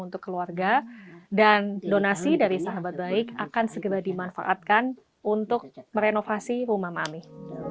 untuk keluarga dan donasi dari sahabat baik akan segera dimanfaatkan untuk merenovasi rumah ma'amih